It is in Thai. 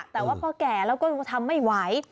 แต่ว่าพอแก่แล้วก็ทำไม่ไหว